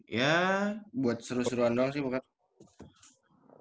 iya buat seru seruan doang sih bokap